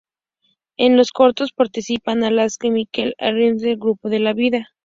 En los coros participan Alaska y Mikel Aguirre del grupo La Buena Vida.